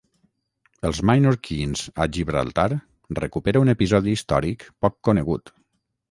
Els ‘minorkeeens’ a Gibraltar recupera un episodi històric poc conegut.